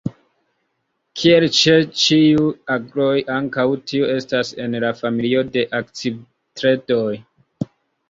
Kiel ĉe ĉiuj agloj, ankaŭ tiu estas en la familio de Akcipitredoj.